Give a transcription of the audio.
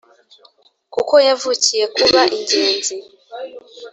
Kuko yavukiye kuba ingenzi